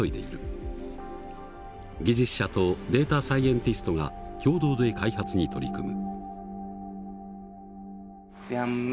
技術者とデータサイエンティストが共同で開発に取り組む。